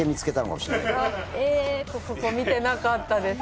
そこ見てなかったです。